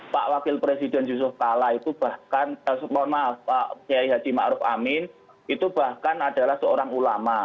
pak wakil presiden yusuf tala itu bahkan maaf pak pak yai haji ma'ruf amin itu bahkan adalah seorang ulama